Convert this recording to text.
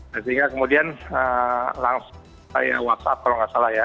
sehingga kemudian langsung saya whatsapp kalau nggak salah ya